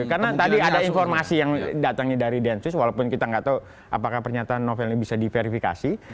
karena tadi ada informasi yang datangnya dari densus walaupun kita gak tau apakah pernyataan novel ini bisa diverifikasi